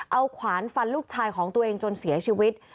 เอาขวานฟันลูกชายของตัวเองจนเสียชีวิต